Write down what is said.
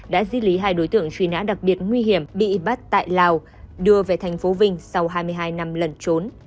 đã di lý hai đối tượng truy nã đặc biệt nguy hiểm bị bắt tại lào đưa về thành phố vinh sau hai mươi hai năm lần trốn